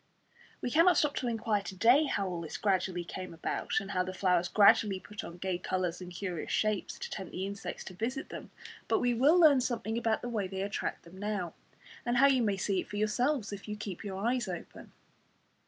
We cannot stop to inquire to day how this all gradually came about, and how the flowers gradually put on gay colours and curious shapes to tempt the insects to visit them; but we will learn something about the way they attract them now, and how you may see it for yourselves if you keep your eyes open.